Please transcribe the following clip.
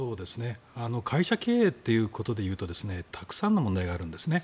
会社経営ということで言うとたくさんの問題があるんですね。